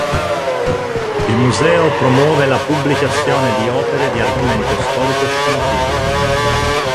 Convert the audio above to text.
Il museo promuove la pubblicazione di opere di argomento storico-scientifico.